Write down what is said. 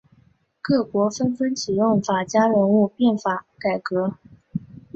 各国纷纷启用法家人物变法改革。